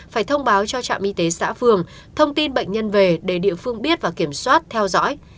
phải thông báo cho trạm y tế xã phường thông tin bệnh nhân về để địa phương biết và kiểm soát theo dõi